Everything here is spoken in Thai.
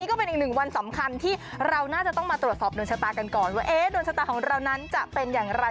ก็เป็นอีกหนึ่งวันสำคัญที่เราน่าจะต้องมาตรวจสอบดวงชะตากันก่อนว่าดวงชะตาของเรานั้นจะเป็นอย่างไร